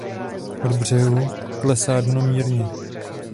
Od břehu klesá dno mírně.